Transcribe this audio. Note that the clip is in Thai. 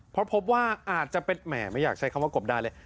เพราะพบว่าอาจจะเป็นแหมไม่อยากใช้คำว่ากบดานเลย